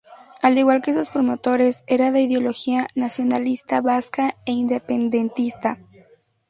Al igual que sus promotores, era de ideología nacionalista vasca e independentista.